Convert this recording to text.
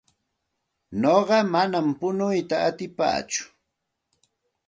Nuqa manam punuyta atipaatsu.